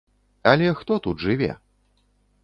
Але хто тут жыве?